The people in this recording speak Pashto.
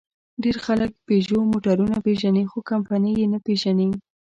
ډېر خلک پيژو موټرونه پېژني؛ خو کمپنۍ یې نه پېژني.